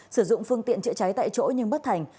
sử dụng phương tiện chữa cháy tại chỗ nhưng bất thành